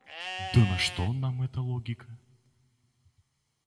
Да на что нам эта логика?